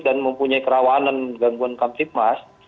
dan mempunyai kerawanan gangguan kamtikmas